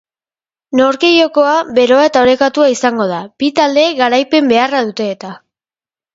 Norgehiagoka beroa eta orekatua izango da, bi taldeek garaipen beharra dute eta.